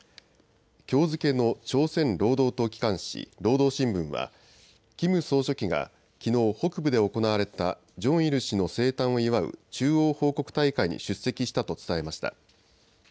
きょう付けの朝鮮労働党機関紙、労働新聞はキム総書記がきのう北部で行われたジョンイル氏の生誕を祝う中央報告大会に出席したと伝えました。